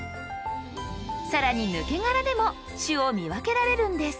更にぬけ殻でも種を見分けられるんです。